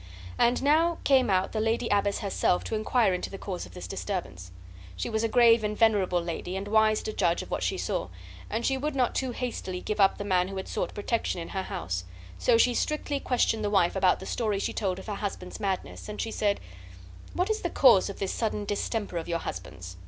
And now came out the lady abbess herself to inquire into the cause of this disturbance. She was a grave and venerable lady, and wise to judge of what she saw, and she would not too hastily give up the man who had sought protection in her house; so she strictly questioned the wife about the story she told of her husband's madness, and she said: "What is the cause of this sudden distemper of your husband's?